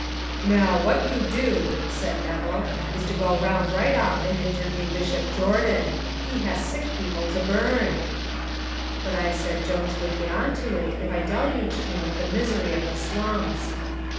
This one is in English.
"Now, what you do," said Nevill, "is to go round right off and interview Bishop Jordan. He has sick people to burn!" But I said Jones would get on to it if I deluged him with the misery of the slums.